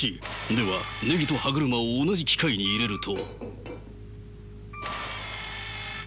ではネギと歯車を同じ機械に入れると。